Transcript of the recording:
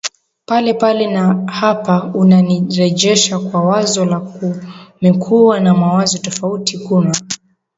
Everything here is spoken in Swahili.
pale pale Na hapa unanirejesha kwa wazo la kumekuwa na mawazo tofauti kuna